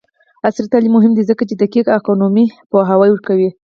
عصري تعلیم مهم دی ځکه چې د ګیګ اکونومي پوهاوی ورکوي.